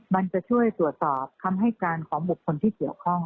มันจะช่วยตรวจสอบคำให้การของบุคคลที่เกี่ยวข้อง